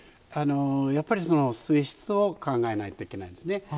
やっぱり水質を考えないといけないんですね。